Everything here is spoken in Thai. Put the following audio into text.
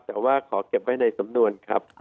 แต่ว่าขอเก็บไว้ในสำนวนครับ